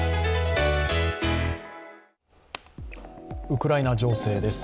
ウクライナ情勢です。